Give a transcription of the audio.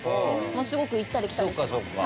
すごく行ったり来たりしてます。